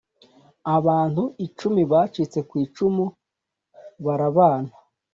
abantu icumi bacitse ku icumu barabana